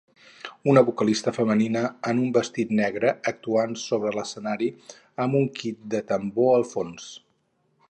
Una vocalista femenina en un vestit negre actuant sobre l'escenari amb un kit de tambor al fons.